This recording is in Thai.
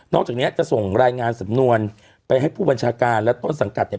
จากนี้จะส่งรายงานสำนวนไปให้ผู้บัญชาการและต้นสังกัดเนี่ย